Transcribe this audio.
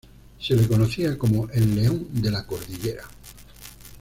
Se le conocía como El León de la Cordillera.